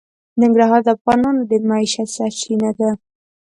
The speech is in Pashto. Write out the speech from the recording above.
ننګرهار د افغانانو د معیشت سرچینه ده.